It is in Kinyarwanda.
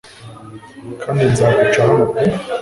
kandi nzaguca hano pe